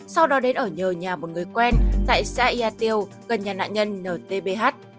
sau đó đến ở nhờ nhà một người quen tại xã yà tiêu gần nhà nạn nhân ntbh